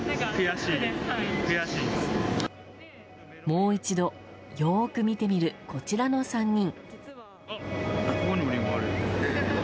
もう一度、よく見てみるこちらの３人。